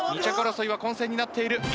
２着争いは混戦になっている。